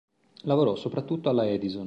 Lavorò soprattutto alla Edison.